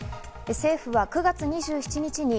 政府は９月２７日に